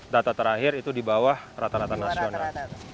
data terakhir itu di bawah rata rata nasional